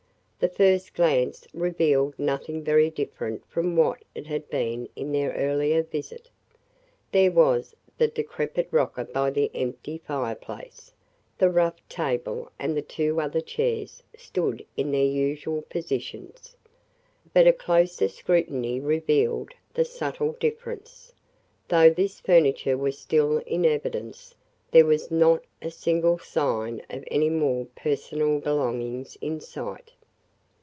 The first glance revealed nothing very different from what it had been in their earlier visit. There was the decrepit rocker by the empty fireplace. The rough table and two other chairs stood in their usual positions. But a closer scrutiny revealed the subtle difference. Though this furniture was still in evidence, there was not a single sign of any more personal belongings in sight.